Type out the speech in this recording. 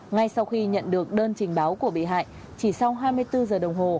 ngay sau khi nhận được đơn trình báo của bị hại chỉ sau hai mươi bốn giờ đồng hồ